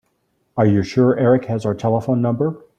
Are you sure Erik has our telephone number?